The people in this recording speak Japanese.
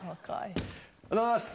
「おはようございます。